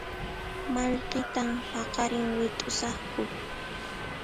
Mallkitan paqarin wit'usaqku